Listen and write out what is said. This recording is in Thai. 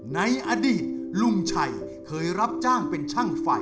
ในอดีตลุงชัยเคยรับจ้างเป็นช่างไฟ